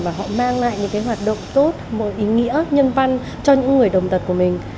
và họ mang lại những cái hoạt động tốt mỗi ý nghĩa nhân văn cho những người đồng tật của mình